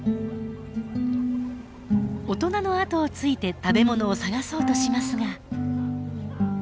大人の後をついて食べ物を探そうとしますが。